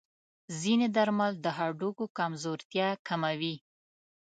ځینې درمل د هډوکو کمزورتیا کموي.